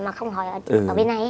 mà không hỏi ở bên này